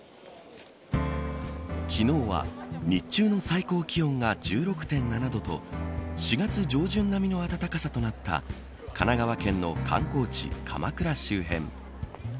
昨日は日中の最高気温が１６．７度と４月上旬並みの暖かさとなった神奈川県の観光地、鎌倉周辺。